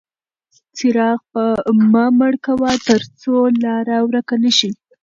څراغ مه مړ کوه ترڅو لاره ورکه نه شي.